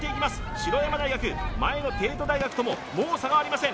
白山大学前の帝都大学とももう差がありません